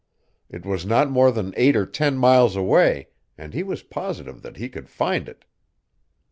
It was not more than eight or ten miles away, and he was positive that he could find it.